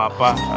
nggak usah nanya